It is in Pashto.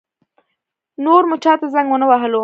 نور مو چا ته زنګ ونه وهلو.